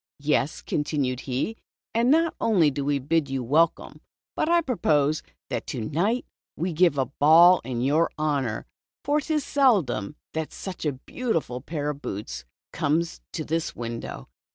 "Yes," continued he, "and not only do we bid you welcome, but I propose that to night we give a ball in your honor, for 't is seldom that such a beautiful pair of boots comes to this window."